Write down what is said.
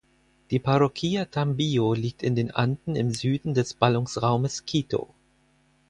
Die Parroquia Tambillo liegt in den Anden im Süden des Ballungsraumes Quito.